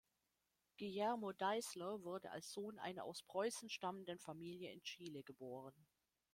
Guillermo Deisler wurde als Sohn einer aus Preußen stammenden Familie in Chile geboren.